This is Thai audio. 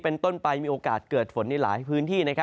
เป็นต้นไปมีโอกาสเกิดฝนในหลายพื้นที่